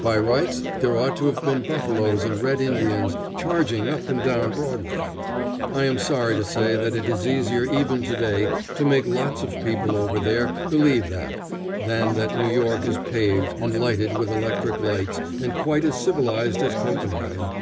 By rights there ought to have been buffaloes and red Indians charging up and down Broadway. I am sorry to say that it is easier even to day to make lots of people over there believe that, than that New York is paved, and lighted with electric lights, and quite as civilized as Copenhagen.